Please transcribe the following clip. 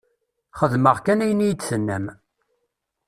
Xedmeɣ kan ayen i yi-d-tennam.